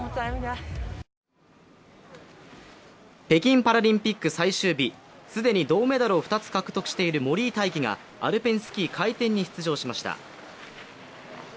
北京パラリンピック最終日、既に銅メダルを２つ獲得している森井大輝がアルペンスキー・回転に出場しました。